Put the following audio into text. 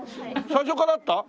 最初からあった？